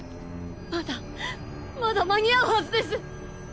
まだまだ間に合うはずです